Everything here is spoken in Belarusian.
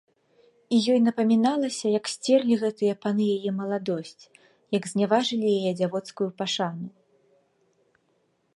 І ёй напаміналася, як сцерлі гэтыя паны яе маладосць, як зняважылі яе дзявоцкую пашану.